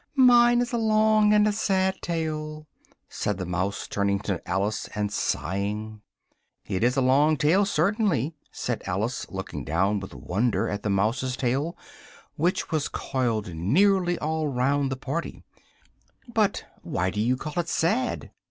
"Mine is a long and a sad tale!" said the mouse, turning to Alice, and sighing. "It is a long tail, certainly," said Alice, looking down with wonder at the mouse's tail, which was coiled nearly all round the party, "but why do you call it sad?"